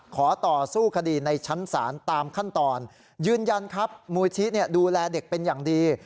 ขอต่อสู้คดีในชั้นศาลตามขั้นตอนยืนยันครับมูลที่ดูแลเด็กเป็นอย่างดี